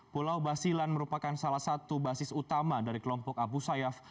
pulau basilan merupakan salah satu basis utama dari kelompok abu sayyaf